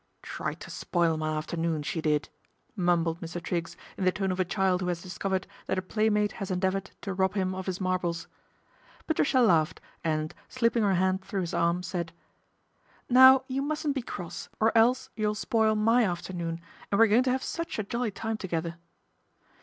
' Tried to spoil my afternoon, she did," mumbled Mr. Triggs in the tone of a child who has discovered that a playmate has endeavoured to rob him of his marbles. Patricia laughed and, slipping her hand through his arm, said :" Now, you mustn't be cross, or else you'll spoil my afternoon, and we're going to have such a jolly time together."